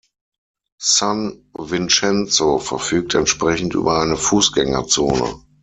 San Vincenzo verfügt entsprechend über eine Fußgängerzone.